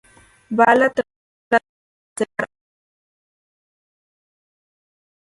Vala trata de hacer razonar a Adria, pero no lo logra.